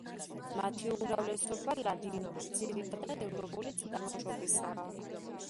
მათი უმრავლესობა ლადინური, ძირითადად ევროპული წარმოშობისაა.